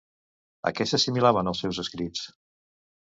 A què s'assimilaven els seus escrits?